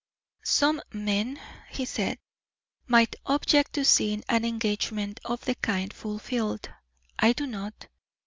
"Some men," he said, "might object to seeing an engagement of the kind fulfilled. I do not.